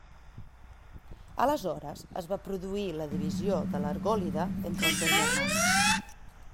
Aleshores es va produir la divisió de l'Argòlida entre els dos germans.